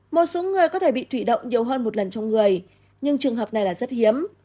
một số người có thể bị thủy động nhiều hơn một lần trong người nhưng trường hợp này là rất hiếm